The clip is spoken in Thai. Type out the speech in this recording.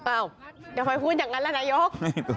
อย่าไปพูดอย่างนั้นแล้วนายก